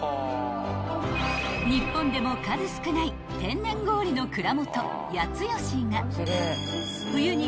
［日本でも数少ない天然氷の蔵元八義が］